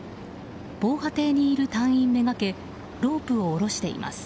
防波堤にいる隊員めがけロープを下ろしています。